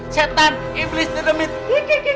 setan iblis dan demik